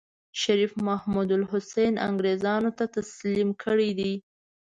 شريف محمودالحسن انګرېزانو ته تسليم کړی دی.